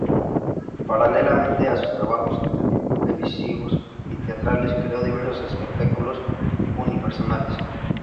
Paralelamente a sus trabajos televisivos y teatrales creó diversos espectáculos unipersonales.